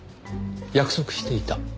約束していた？